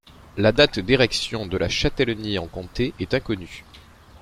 La date d'érection de la châtellenie en comté est inconnue.